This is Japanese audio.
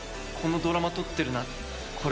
このドラマ撮ってるな